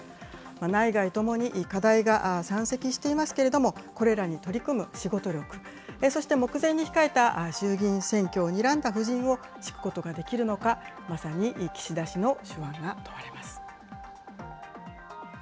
内外ともに課題が山積していますけれども、これらに取り組む仕事力、そして目前に控えた衆議院選挙をにらんだ布陣を敷くことができるのか、まさに岸田氏の手腕が問われます。